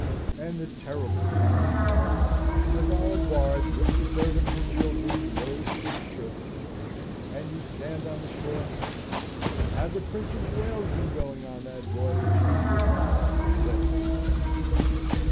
and the terrible time of parting, as our barge with the servants and children rows to the ship, and you stand on the shore? Had the Prince of Wales been going on that voyage, he could not have been better provided.